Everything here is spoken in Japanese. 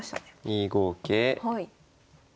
２五桂。